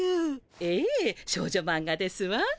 ええ少女マンガですわ。